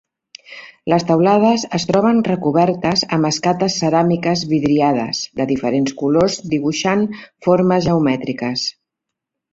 Les teulades es troben recobertes amb escates ceràmiques vidriades de diferents colors dibuixant formes geomètriques.